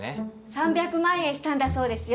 ３００万円したんだそうですよ。